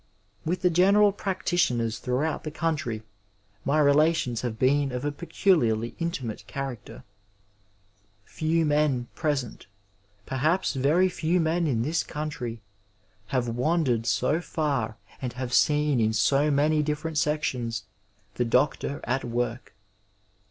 With the general practitioners throughout the country my relations have been of a peculiarly intimate character. Few men present, perhaps very few men in this country, have wandered so far and have seen in so many different sections the doct(Hr at work.